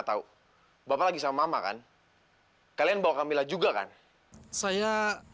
sampai jumpa di video selanjutnya